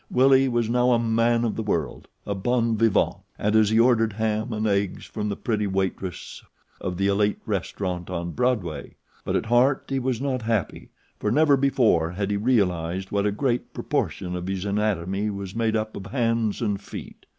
Willie was now a man of the world, a bon vivant, as he ordered ham and eggs from the pretty waitress of The Elite Restaurant on Broadway; but at heart he was not happy for never before had he realized what a great proportion of his anatomy was made up of hands and feet.